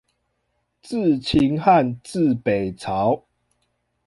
自秦漢至北朝